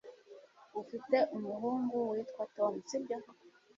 Ufite umuhungu witwa Tom sibyo